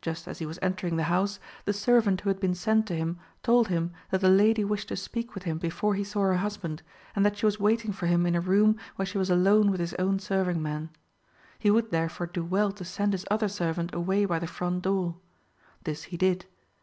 Just as he was entering the house, the servant who had been sent to him told him that the lady wished to speak with him before he saw her husband, and that she was waiting for him in a room where she was alone with his own serving man; he would therefore do well to send his other servant away by the front door. This he did.